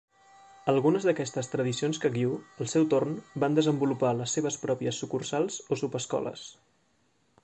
Algunes d'aquestes tradicions Kagyu al seu torn van desenvolupar les seves pròpies sucursals o subescoles.